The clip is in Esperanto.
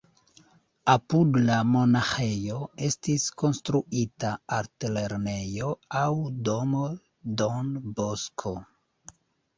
Apud la monaĥejo estis konstruita altlernejo aŭ domo Don Bosco.